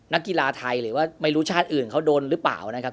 นักกีฬาไทยหรือว่าไม่รู้ชาติอื่นเขาโดนหรือเปล่านะครับ